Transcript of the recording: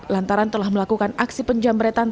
lantaran telah melakukan aksi penjamretan